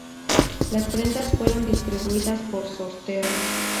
Las prendas fueron distribuidas por sorteo.